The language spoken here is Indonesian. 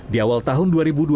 di awal tahun dua ribu dua puluh